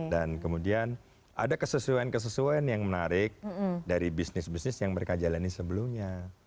dan kemudian ada kesesuaian kesesuaian yang menarik dari bisnis bisnis yang mereka jalani sebelumnya